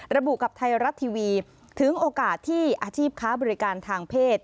ระบุกับไทยรัฐทีวีถึงโอกาสที่อาชีพค้าบริการทางเพศ